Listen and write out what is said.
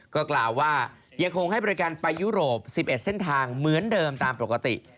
ก็กล่าวว่ายังคงให้บริการไปยุโรป๑๑เส้นทางเหมือนเดิมตามปกติ